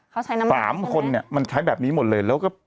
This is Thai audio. ๓คนเนี่ยมันใช้แบบนี้หมดเลยแล้วก็